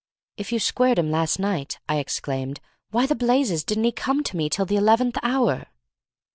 "If you squared him last night," I exclaimed, "why the blazes didn't he come to me till the eleventh hour?"